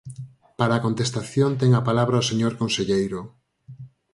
Para a contestación ten a palabra o señor conselleiro.